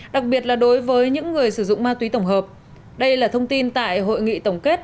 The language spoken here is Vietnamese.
đặc biệt là đối với những người sử dụng ma túy tổng hợp đây là thông tin tại hội nghị tổng kết